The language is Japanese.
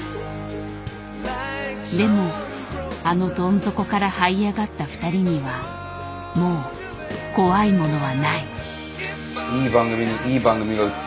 でもあのどん底からはい上がったふたりにはもう怖いものはない。